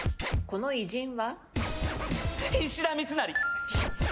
この偉人は？